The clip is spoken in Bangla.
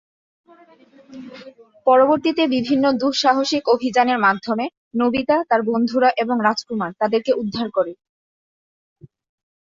পরবর্তীতে বিভিন্ন দুঃসাহসিক অভিযানের মাধ্যমে নোবিতা, তার বন্ধুরা এবং রাজকুমার তাদেরকে উদ্ধার করে।